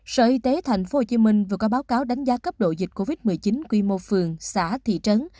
sở y tế tp hcm vừa có báo cáo đánh giá cấp độ dịch covid một mươi chín quy mô phường xã thị trấn